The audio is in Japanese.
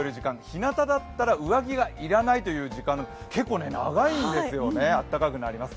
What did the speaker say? ひなただったら上着が要らない時間、結構長いんですよね、あったかくなります。